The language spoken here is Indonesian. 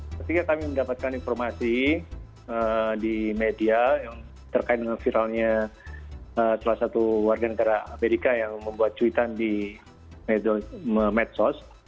ketika kami mendapatkan informasi di media yang terkait dengan viralnya salah satu warga negara amerika yang membuat cuitan di medsos